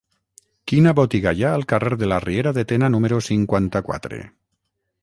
Quina botiga hi ha al carrer de la Riera de Tena número cinquanta-quatre?